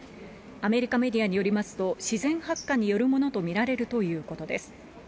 アメリカメディアによりますと、自然発火によるものと見られるということです。